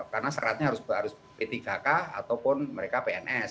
karena syaratnya harus p tiga k ataupun mereka pns